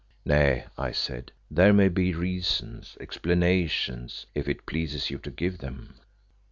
"Nay," I said, "there may be reasons, explanations, if it pleases you to give them."